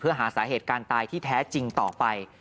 เพื่อหาสาเหตุการณ์ตายที่แท้จริงต่อไป